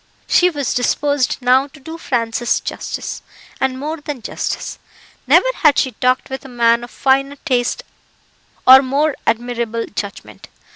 She was disposed now to do Francis justice, and more than justice. Never had she talked with a man of finer taste or more admirable judgment.